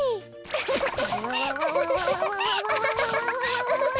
ウフフフ。